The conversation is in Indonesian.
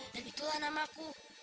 dan itulah nama aku